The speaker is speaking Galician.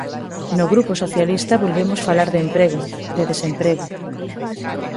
No Grupo Socialista volvemos falar de emprego, de desemprego.